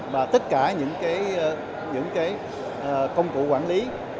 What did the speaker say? và tất cả những công cụ quản lý